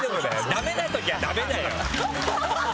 ダメな時はダメだよ。